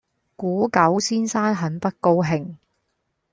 古久先生很不高興。